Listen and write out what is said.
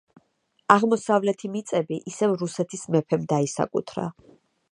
აღმოსავლეთი მიწები ისევ რუსეთის მეფემ დაისაკუთრა.